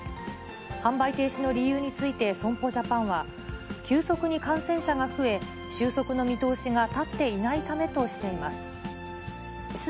販売停止の理由について損保ジャパンは、急速に感染者が増え、収束の見通しが立っていないためとしています。